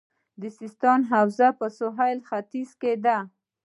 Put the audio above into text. د سیستان حوزه په سویل لویدیځ کې ده